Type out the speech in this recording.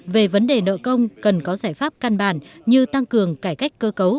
về vấn đề nợ công cần có giải pháp căn bản như tăng cường cải cách cơ cấu